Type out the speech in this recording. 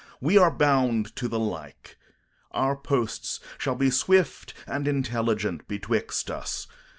We are bound to the like. Our posts shall be swift and intelligent betwixt us.